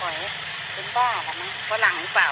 ไม่ถอยเป็นบ้าอะไรมั้ยหลังหรือเปล่า